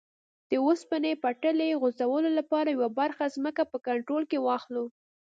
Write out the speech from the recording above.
د اوسپنې پټلۍ غځولو لپاره یوه برخه ځمکه په کنټرول کې واخلو.